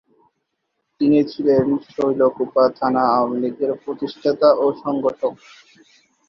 তিনি ছিলেন শৈলকুপা থানা আওয়ামীলীগের প্রতিষ্ঠাতা ও সংগঠক।